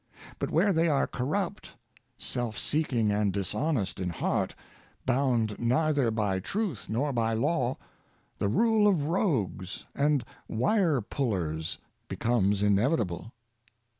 But where they are corrupt, self seeking and dishonest in heart, bound neither by truth nor by law, the rule of rogues and wire pullers becomes inevitable.